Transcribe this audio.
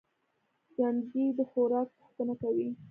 ژوندي د خوراک پوښتنه کوي